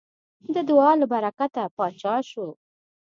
د دعا له برکته پاچا شو.